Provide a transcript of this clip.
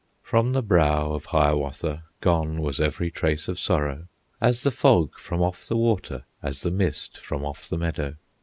From the brow of Hiawatha Gone was every trace of sorrow, As the fog from off the water, As the mist from off the meadow.